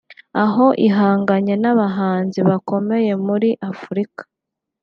aho ihanganye n’abahanzi bakomeye muri Afurika